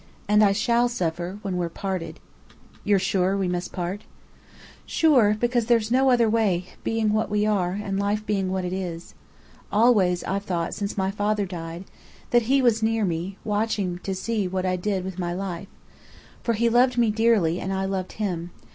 And I shall suffer, when we're parted." "You're sure we must part?" "Sure, because there's no other way, being what we are, and life being what it is. Always I've thought since my father died, that he was near me, watching to see what I did with my life. For he loved me dearly, and I loved him.